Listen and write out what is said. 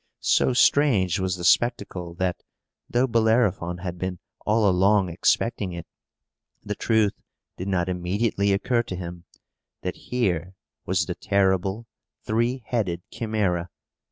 So strange was the spectacle, that, though Bellerophon had been all along expecting it, the truth did not immediately occur to him, that here was the terrible three headed Chimæra.